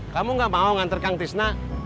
kamu gak mau ngantar kang tisna